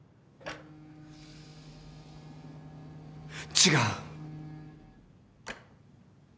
違う。